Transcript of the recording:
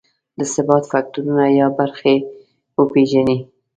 د ثبات فکټورونه یا برخې وپېژني.